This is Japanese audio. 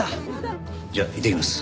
じゃあいってきます。